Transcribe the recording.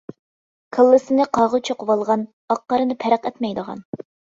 كاللىسىنى قاغا چوقۇۋالغان، ئاق-قارىنى پەرق ئەتمەيدىغان!